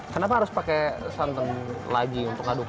kenapa harus pakai santan lagi untuk aduk